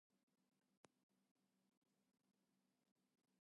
She replies, "Secret secrets are no fun, secret secrets hurt someone".